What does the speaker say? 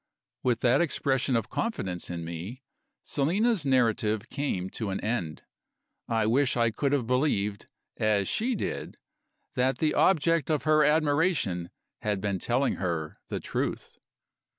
With that expression of confidence in me, Selina's narrative came to an end. I wish I could have believed, as she did, that the object of her admiration had been telling her the truth.